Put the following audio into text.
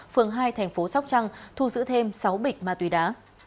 phường hai tp sóc trăng thu giữ thêm sáu bịch ma túy đá